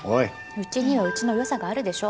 うちにはうちの良さがあるでしょ。